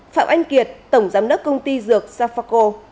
phạm anh kiệt tổng giám đốc công ty dược safaco